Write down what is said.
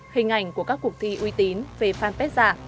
hình ảnh của các cuộc thi uy tín về fanpage giả